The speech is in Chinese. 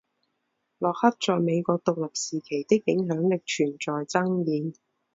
洛克在美国独立时期的影响力存在争议。